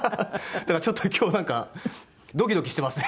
だからちょっと今日なんかドキドキしてますね。